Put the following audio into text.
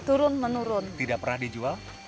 turun menurun tidak pernah dijual